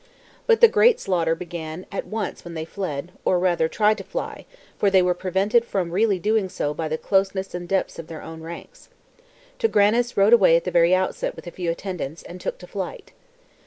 But the great slaughter began at once when they fled, or rather tried to fly, for they were prevented from really doing so by the closeness and depth of their own ranks. Tigranés rode away at the very outset with a few attendants, and took to flight.